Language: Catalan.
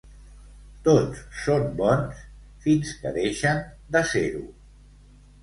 Tots són bons fins que deixen de ser-ho.